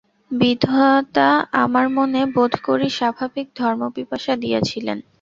বিধাতা আমার মনে বোধকরি স্বাভাবিক ধর্মপিপাসা দিয়াছিলেন।